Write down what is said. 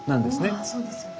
あそうですよね。